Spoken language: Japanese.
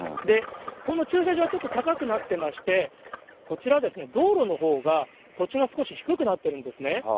この駐車場はちょっと高くなってまして、こちらですね、道路のほうが、土地が少し低くなってるんですね。